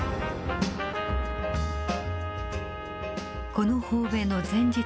この訪米の前日